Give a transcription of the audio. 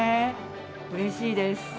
うれしいです。